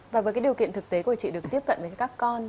và với điều kiện thực tế của chị được tiếp cận với các con